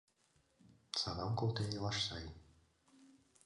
Садам колтен илаш сай.